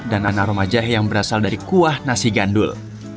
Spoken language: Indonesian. dan anak roma jahe yang berasal dari kuah nasi gandul